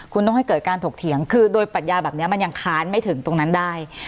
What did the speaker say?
คุณต้องให้เกิดการถกเถียงคือโดยปัญญาแบบนี้มันยังค้านไม่ถึงตรงนั้นได้